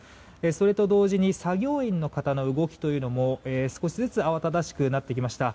それと同時に作業員の方の動きというのも少しずつ慌ただしくなってきました。